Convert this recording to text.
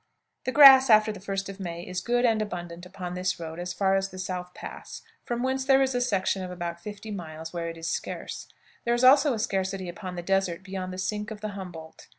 The grass, after the 1st of May, is good and abundant upon this road as far as the South Pass, from whence there is a section of about 50 miles where it is scarce; there is also a scarcity upon the desert beyond the sink of the Humboldt.